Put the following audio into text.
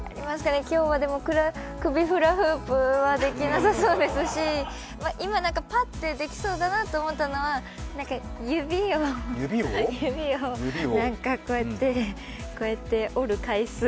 今日は、首フラフープはできなさそうですし今、ぱっとできそうだなと思ったのは、指をなんかこうやって折る回数。